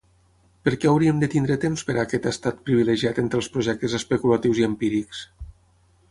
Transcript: Per què hauríem de tenir temps per a aquest estat privilegiat entre els projectes especulatius i empírics?